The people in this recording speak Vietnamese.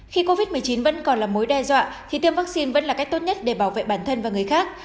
khi covid một mươi chín vẫn còn là mối đe dọa thì tiêm vaccine vẫn là cách tốt nhất để bảo vệ bản thân và người khác